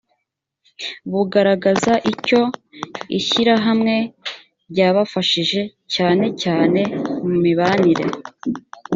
bugaragaza icyo ishyirahamwe ryabafashije cyane cyane mu mibanire